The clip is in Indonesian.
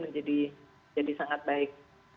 menjadi sangat baik